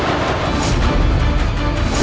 silawahi kamu mengunuh keluarga ku di pesta perjamuan